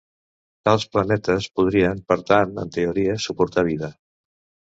Tals planetes podrien per tant en teoria suportar vida.